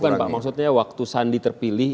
bukan pak maksudnya waktu sandi terpilih